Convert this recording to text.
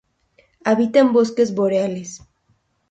Habita en bosques boreales.